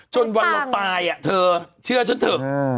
จนตายเธอเชื่อฉันเธอ